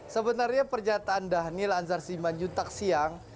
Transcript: sebenarnya pernyataan dhanil anzar siman juntak siang